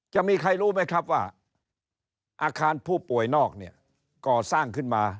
จะมีใครรู้ไหมครับว่าอาคารผู้ป่วยนอกเนี่ยก่อสร้างขึ้นมา